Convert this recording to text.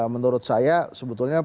menurut saya sebetulnya